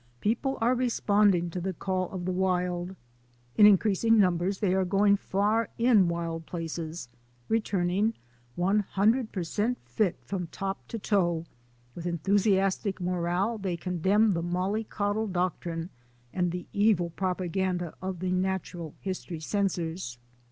People are responding to the call of the wild. In increasing numbers they are going far in wild places, returning one hundred per cent fit from top to toe; with enthusiastic morale they condemn the molly coddle doctrine and the evil propaganda of the natural history censors.